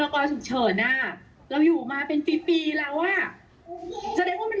๓คำตอนนี้เหรอ